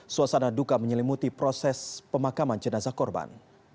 suasana duka menyelimuti proses pemakaman jenazah korban